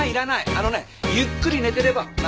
あのねゆっくり寝てれば治るから。